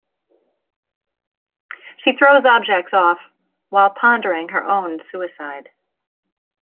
She throws objects off while pondering her own suicide.